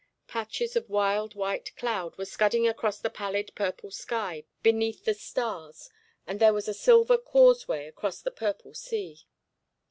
Patches of wild white cloud were scudding across the pallid purple sky beneath the stars, and there was a silver causeway across the purple sea.